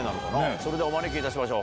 それではお招きいたしましょう。